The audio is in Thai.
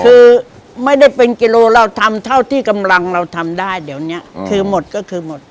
คือไม่ได้เป็นกิโลเราทำเท่าที่กำลังเราทำได้เดี๋ยวเนี้ยคือหมดก็คือหมด